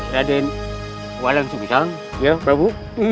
raden walang cemitang ya prabu